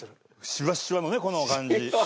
シワッシワのねこの感じ。